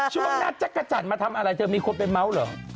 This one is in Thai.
ชูของนัทชักกะแจ่นมาทำอะไรเธอมีครัวไปเม้าท์เหรอ